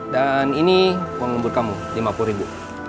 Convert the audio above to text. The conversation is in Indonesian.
dan ini uang ngembur kamu lima puluh ribu